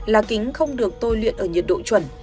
lá kính không được tôi luyện ở nhiệt độ chuẩn